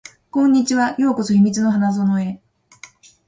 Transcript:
こんにちは。ようこそ秘密の花園へ